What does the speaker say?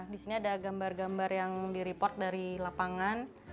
di sini ada gambar gambar yang direport dari lapangan